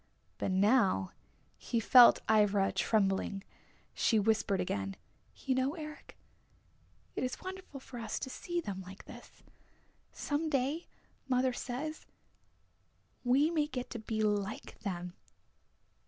But now he felt Ivra trembling. She whispered again, "You know, Eric, it is wonderful for us to see them like this. Some day, mother says, we may get to be like them!"